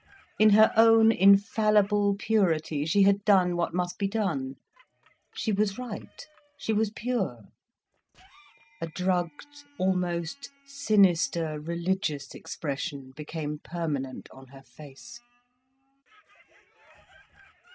In her own infallible purity, she had done what must be done. She was right, she was pure. A drugged, almost sinister religious expression became permanent on her face.